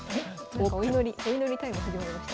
なんかお祈りタイム始まりました。